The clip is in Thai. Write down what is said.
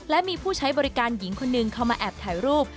และมีผู้ใช้บริการหญิงคนหนึ่งเข้ามาแอบถ่ายรูป